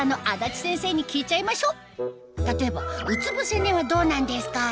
例えばうつ伏せ寝はどうなんですか？